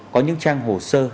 có những trang hồ sơ